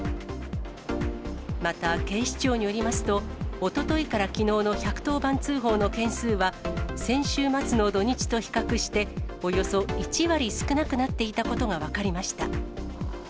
また警視庁によりますと、おとといからきのうの１１０番通報の件数は、先週末の土日と比較して、およそ１割少なくなっていたことが分かりました。